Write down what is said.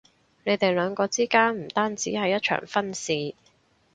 你哋兩個之間唔單止係一場婚事